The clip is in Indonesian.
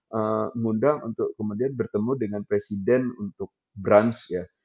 mengundang untuk kemudian bertemu dengan presiden untuk branch ya